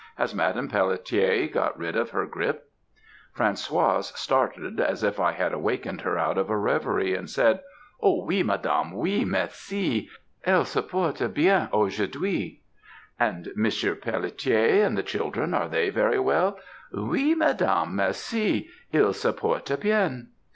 Has Madame Pelletier got rid of her grippe?' "Françoise started as if I had awakened her out of a reverie, and said, 'Oh! oui, Madame; oui, mercé; elle se porte bien aujourd'hui.' "'And Monsieur Pelletier and the children, are they well?' "'Oui, Madame, merci; ils se portent bien.'